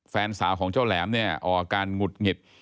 แฟนสาวของเจ้าแหลมเนี่ยออกอาการหงุดหงิด